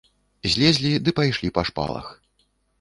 Злезлі ды пайшлі па шпалах.